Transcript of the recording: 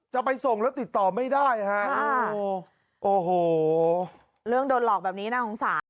จะไปส่งแล้วติดต่อไม่ได้ฮะโอ้โหเรื่องโดนหลอกแบบนี้น่าสงสาร